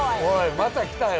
また来たよ。